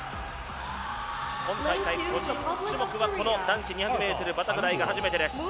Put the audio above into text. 今大会、個人種目は男子２００ｍバタフライが初めてです。